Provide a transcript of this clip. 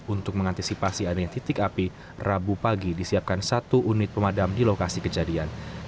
untuk mengantisipasi adanya titik api rabu pagi disiapkan satu unit pemadam di lokasi kejadian